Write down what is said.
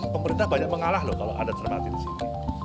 pemerintah banyak mengalah loh kalau ada terbati di sini